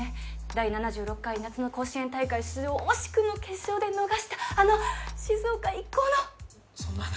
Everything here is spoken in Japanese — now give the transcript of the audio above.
第７６回夏の甲子園大会出場を惜しくも決勝で逃したあの静岡一高のそんな話